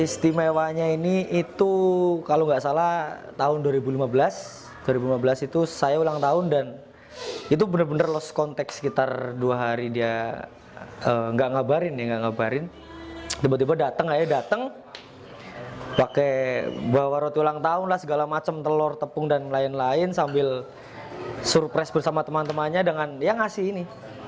sambil surprise bersama teman temannya dengan yang ngasih ini